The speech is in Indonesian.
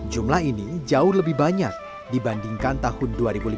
jumlah ini jauh lebih banyak dibandingkan tahun dua ribu lima belas